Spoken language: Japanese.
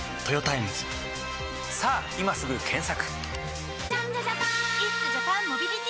さぁ今すぐ検索！